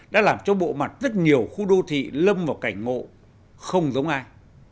đã làm cho bộ mặt rất nhiều khu đô thị lâm vào cảnh ngộ không giống ai